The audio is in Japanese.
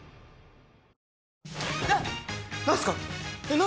えっ？